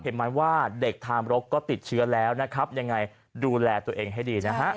หมายว่าเด็กทามรกก็ติดเชื้อแล้วนะครับยังไงดูแลตัวเองให้ดีนะฮะ